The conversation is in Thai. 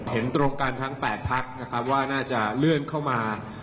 เห็นตรงกันทั้ง๘พักนะครับว่าน่าจะเลื่อนเข้ามา